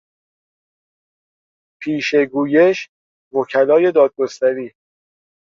پیشه گویش وکلای دادگستری